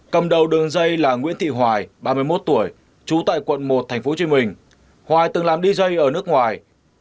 cầm đầu đường dây là nguyễn thị hoài ba mươi một tuổi trú tại quận một tp hcm hoài từng làm dj ở nước ngoài